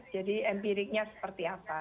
jadi empiriknya seperti apa